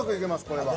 これは。